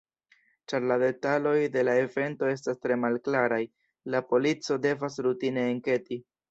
Ĉar la detaloj de la evento estas tre malklaraj, la polico devas rutine enketi.